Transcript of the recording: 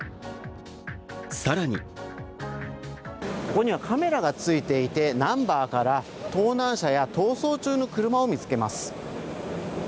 更にここにはカメラがついていてナンバーから盗難車や、逃走中の車を見つけます。